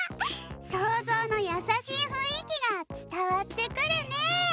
そうぞうのやさしいふんいきがつたわってくるね。